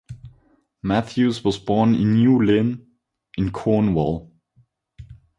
Matthews was born in Newlyn in Cornwall.